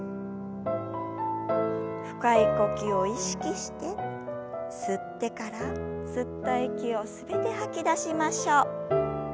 深い呼吸を意識して吸ってから吸った息を全て吐き出しましょう。